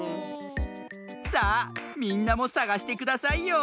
さあみんなもさがしてくださいよ。